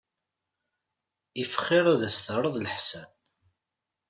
Iff xir ad as-terreḍ leḥsan.